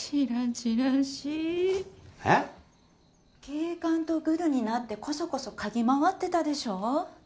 警官とグルになってこそこそ嗅ぎ回ってたでしょ？